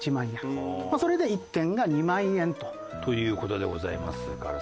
それで１点が２万円と。という事でございます川原さん。